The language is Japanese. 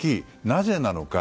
なぜなのか。